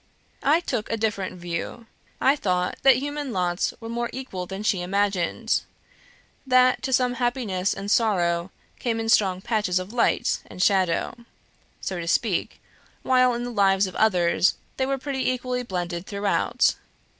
I took a different view: I thought that human lots were more equal than she imagined; that to some happiness and sorrow came in strong patches of light and shadow, (so to speak), while in the lives of others they were pretty equally blended throughout.